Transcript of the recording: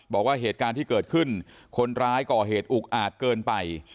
บอกว่าเหตุการณ์ที่เกิดขึ้นคนร้ายก่อเหตุอุกอาจเกินไป